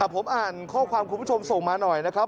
ผมอ่านข้อความคุณผู้ชมส่งมาหน่อยนะครับ